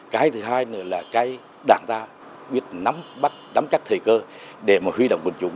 cái thứ hai nữa là cái đảng ta biết nắm bắt nắm chắc thời cơ để mà huy động quân chúng